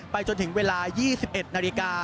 จนถึงเวลา๒๑นาฬิกา